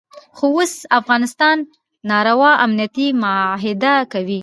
خو اوس افغانستان ناروا امنیتي معاهده کوي.